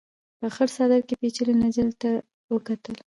په خړ څادر کې پيچلې نجلۍ ته يې وکتل.